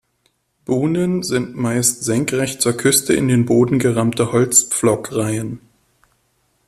Buhnen sind meist senkrecht zur Küste in den Boden gerammte Holzpflockreihen.